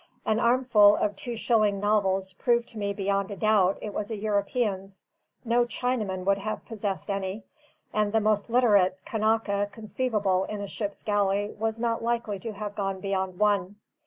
An armful of two shilling novels proved to me beyond a doubt it was a European's; no Chinaman would have possessed any, and the most literate Kanaka conceivable in a ship's galley was not likely to have gone beyond one.